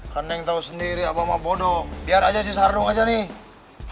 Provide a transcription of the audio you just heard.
kan neng tau sendiri abah mah bodoh biar aja si sardung aja nih